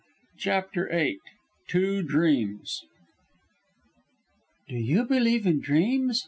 CHAPTER VIII TWO DREAMS "Do you believe in dreams?"